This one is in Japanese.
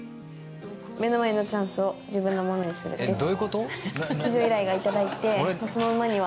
目の前のチャンスを自分のものにするです。